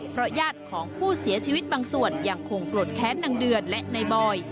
เพราะญาติของผู้เสียชีวิตบางส่วนยังคงโกรธแค้นนางเดือนและนายบอย